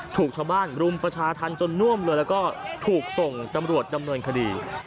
ถูกชาวบ้านรุมประชาธรรมจนน่วมเลยแล้วก็ถูกส่งตำรวจดำเนินคดี